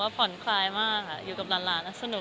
ก็ผ่อนคลายมากค่ะอยู่กับร้านแล้วสนุก